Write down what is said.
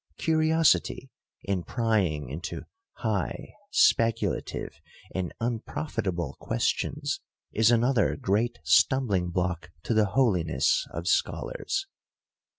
Curiosity in prying into high, speculative, and unprofitable ques tions, is another great stumbling block to the holiness of scholars.